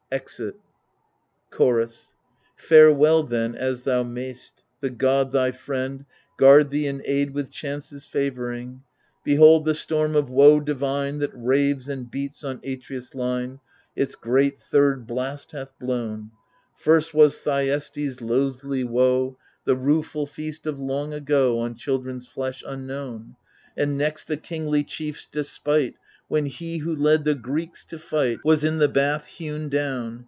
[Exif, Chorus Farewell then as thou mayst, — the god thy friend Guard thee and aid with chances favouring.' Behold, the storm of woe divine That raves and beats on Atreus' line Its great third blast hath blown. First was Thyestes' loathly woe — THE LIBATION BEARERS 131 The rueful feast of long ago, On children's flesh, unknown. And next the kingly chief's despite, When he who led the Greeks to fight Was in the bath hewn down.